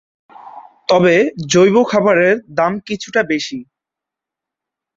তবে জৈব খাবারের দাম কিছুটা বেশি।